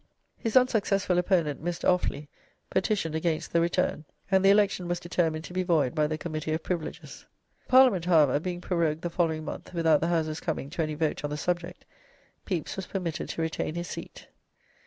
His unsuccessful opponent, Mr. Offley, petitioned against the return, and the election was determined to be void by the Committee of Privileges. The Parliament, however, being prorogued the following month without the House's coming to any vote on the subject, Pepys was permitted to retain his seat.